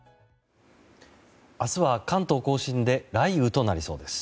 明日は関東・甲信で雷雨となりそうです。